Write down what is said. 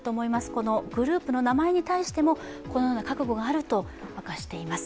このグループの名前に対しても、このような覚悟があると明かしています。